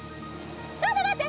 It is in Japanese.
ちょっと待って！